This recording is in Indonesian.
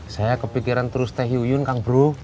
saya kepikiran terus teh yuyun kang bro